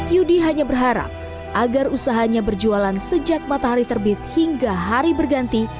yudi hanya berharap agar usahanya berjualan sejak matahari terbit hingga hari berganti